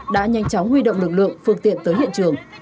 đã nhanh chóng huy động lực lượng phương tiện tới hiện trường